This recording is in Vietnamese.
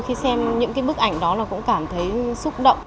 khi xem những cái bức ảnh đó là cũng cảm thấy xúc động